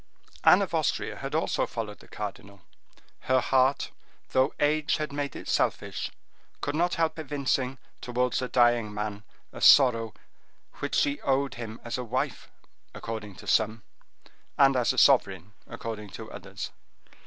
Anne of Austria had also followed the cardinal; her heart, though age had made it selfish, could not help evincing towards the dying man a sorrow which she owed him as a wife, according to some; and as a sovereign, according to others.